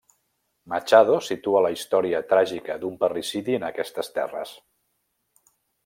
Machado situa la història tràgica d'un parricidi en aquestes terres.